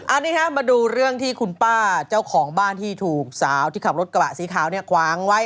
อันนี้ครับมาดูเรื่องที่คุณป้าเจ้าของบ้านที่ถูกสาวที่ขับรถกระบะสีขาวเนี่ยขวางไว้